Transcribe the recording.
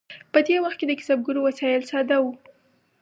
په دې وخت کې د کسبګرو وسایل ساده وو.